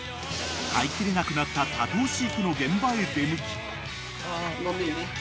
［飼いきれなくなった多頭飼育の現場へ出向き］